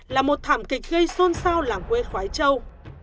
là một thảm kịch gây xôn xao làng quê khói châu